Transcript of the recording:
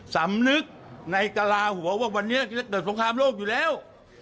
สำนึกในกระลาหัวว่าวันนี้เกิดสงครามโลกอยู่แล้ว